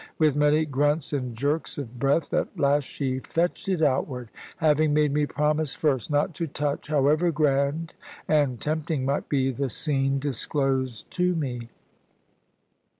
With many grunts and jerks of breath, at last she fetched it outward, having made me promise first not to touch, however grand and tempting might be the scene disclosed to me.